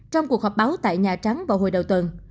trong cuộc họp báo tại nhà trắng vào hồi đầu tuần